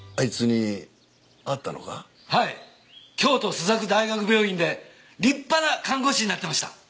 京都朱雀大学病院で立派な看護師になってました。